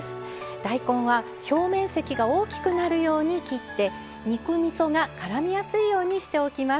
大根は表面積が大きくなるように切って、肉みそがからみやすくしておきます。